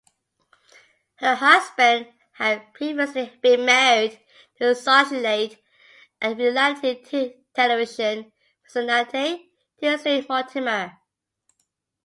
Her husband had previously been married to socialite and reality television personality Tinsley Mortimer.